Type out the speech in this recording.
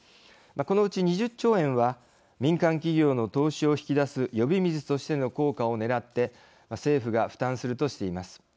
このうち２０兆円は民間企業の投資を引き出す呼び水としての効果をねらって政府が負担するとしています。